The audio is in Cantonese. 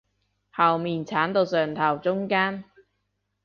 後面剷到上頭中間